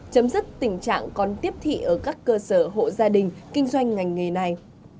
chấm dứt tình trạng còn tiếp thị ở các cơ sở hộ gia đình kinh doanh ngành nghề này